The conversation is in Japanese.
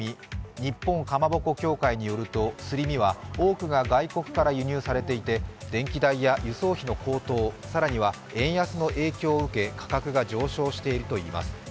日本かまぼこ協会によるとすり身は多くが外国から輸入されていて、電気代や輸送費の高騰、更には円安の影響を受け価格が上昇しているといいます。